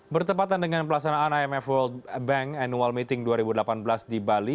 bertepatan dengan pelaksanaan imf world bank annual meeting dua ribu delapan belas di bali